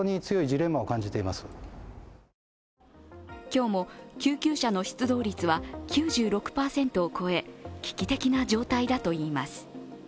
今日も救急車の出動率は９６％を超え危機的な状態だといいます。